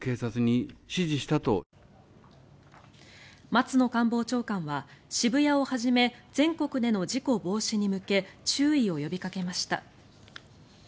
松野官房長官は渋谷をはじめ全国での事故防止に向け注意を呼びかけました。